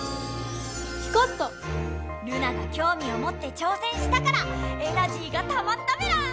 ルナがきょうみをもってちょうせんしたからエナジーがたまったメラ！